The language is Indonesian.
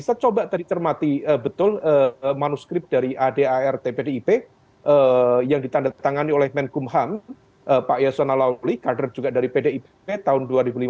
saya coba tadi cermati betul manuskrip dari adart pdip yang ditandatangani oleh menkumham pak yasona lawli kader juga dari pdip tahun dua ribu lima belas